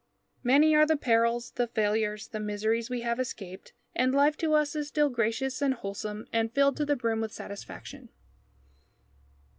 Many are the perils, the failures, the miseries we have escaped, and life to us is still gracious and wholesome and filled to the brim with satisfaction.